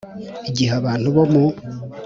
Igihe abantu bo mu